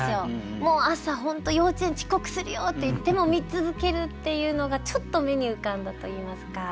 もう朝本当幼稚園遅刻するよって言っても見続けるっていうのがちょっと目に浮かんだといいますか。